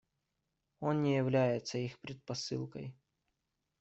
Он не является их предпосылкой.